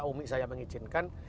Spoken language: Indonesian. umi saya mengizinkan